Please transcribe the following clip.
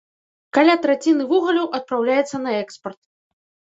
Каля траціны вугалю адпраўляецца на экспарт.